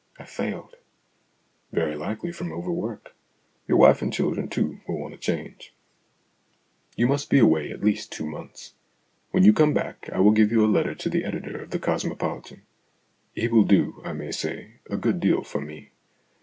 I failed." "Very likely from overwork. Your wife and children, too, will want a change. You must be 68 STORIES IN GREY away at least two months. When you come back, I will give you a letter to the editor of The Cosmopolitan ; he will do, I may say, a good deal for me.